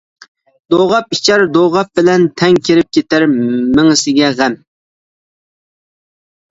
دوغاپ ئىچەر، دوغاپ بىلەن تەڭ كىرىپ كېتەر مېڭىسىگە غەم.